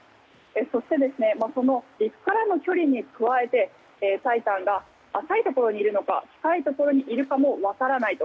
そしてその陸からの距離に加えて「タイタン」が浅いところにいるのか深いところにいるのかも分からないと。